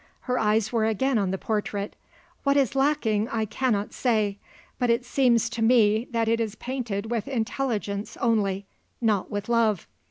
Her eyes were again on the portrait. "What is lacking, I cannot say; but it seems to me that it is painted with intelligence only, not with love.